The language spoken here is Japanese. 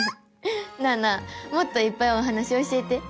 なあなあもっといっぱいお話教えて！